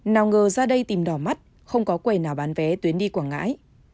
nào ngờ ra đây tìm đỏ mắt không có quầy nào bán vé tuyến đi quảng ngãi